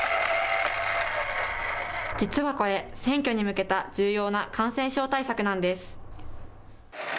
実はこれ、選挙に向けた重要な感染症対策なんです。